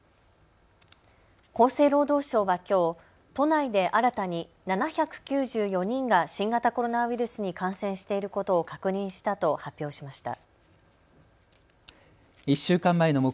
厚生労働省はきょう都内で新たに７９４人が新型コロナウイルスに感染していることを確認したと発表しました。